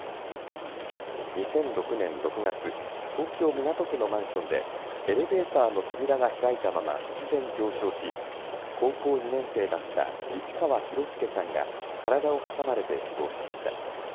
２００６年６月、東京港区のマンションでエレベーターの扉が開いたまま突然上昇し高校２年生だった市川大輔さんが体を挟まれて死亡しました。